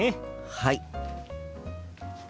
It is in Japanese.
はい。